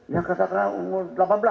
yang kata kata umur delapan belas